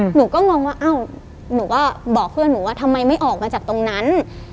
หนูก็งงว่าอ้าวหนูก็บอกเพื่อนหนูว่าทำไมไม่ออกมาจากตรงนั้น